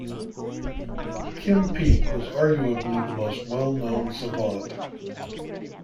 Kim Peek was arguably the most well-known savant.